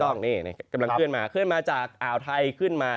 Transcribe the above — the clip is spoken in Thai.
เรากำลังขึ้นมาจากอ่าวไทขึ้นมา